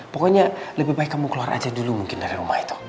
pokoknya lebih baik kamu keluar aja dulu mungkin dari rumah itu